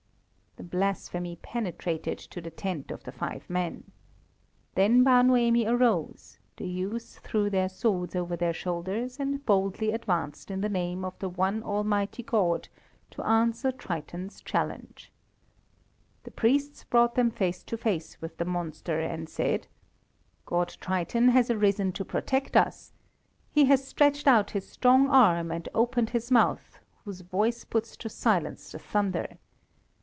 The blasphemy penetrated to the tent of the five men. Then Bar Noemi arose; the youths threw their swords over their shoulders, and boldly advanced in the name of the one Almighty God to answer Triton's challenge. The priests brought them face to face with the monster, and said "God Triton has arisen to protect us. He has stretched out his strong arm, and opened his mouth, whose voice puts to silence the thunder.